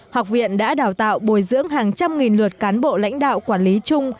học viện đã đào tạo bồi dưỡng hàng trăm nghìn luật cán bộ lãnh đạo quản lý chung